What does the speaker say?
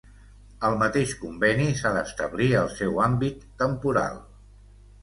Al mateix conveni s'ha d'establir el seu àmbit temporal.